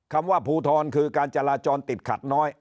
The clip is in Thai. คำว่าภูทรคือการจราจรติดขัดน้อย